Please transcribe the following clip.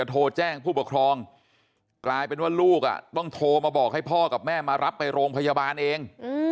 ต้องโทรมาบอกให้พ่อกับแม่มารับไปโรงพยาบาลเอง